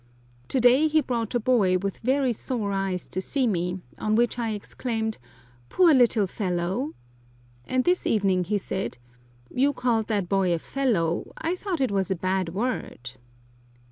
To day he brought a boy with very sore eyes to see me, on which I exclaimed, "Poor little fellow!" and this evening he said, "You called that boy a fellow, I thought it was a bad word!"